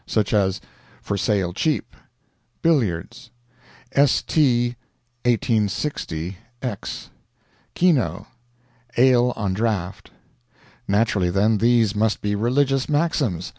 Such as "FOR SALE CHEAP"; "BILLIARDS"; "S. T. 1860 X"; "KENO"; "ALE ON DRAUGHT." Naturally, then, these must be religious maxims.